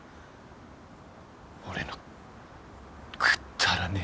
俺のくっだらねえ